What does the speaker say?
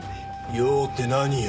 用って何よ？